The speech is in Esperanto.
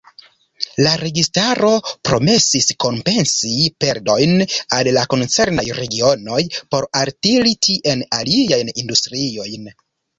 La registaro promesis kompensi perdojn al la koncernaj regionoj por altiri tien aliajn industriojn.